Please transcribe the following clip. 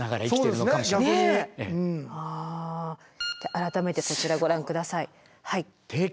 改めてこちらご覧下さい。